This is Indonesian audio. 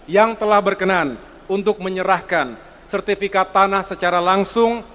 yang telah berkenan untuk menyerahkan sertifikat tanah secara langsung